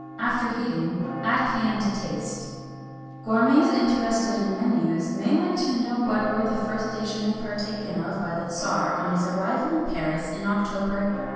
After heating, add cayenne to taste. Gourmets interested in menus may like to know what were the first déjeuners partaken of by the Tsar on his arrival in Paris in October 1869.